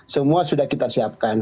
semua sudah kita siapkan